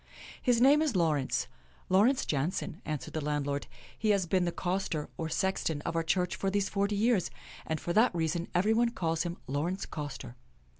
" His name is Laurence — Laurence Jaonssen," an swered the landlord. " He has been the coster, or sexton, of our church for these forty years, and for that reason everybody calls him Laurence Coster."